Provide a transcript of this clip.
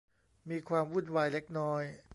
มีความวุ่นวายเล็กน้อย